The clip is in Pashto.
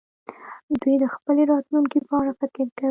دوی د خپلې راتلونکې په اړه فکر کوي.